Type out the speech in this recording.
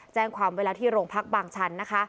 แจ้งความไว้แล้วที่โรงพักบางชันนะคะ